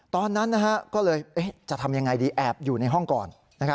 ตอนนั้นก็เลยจะทำยังไงดีแอบอยู่ในห้องก่อน